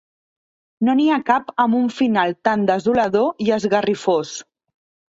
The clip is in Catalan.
No n’hi ha cap amb un final tan desolador i esgarrifós.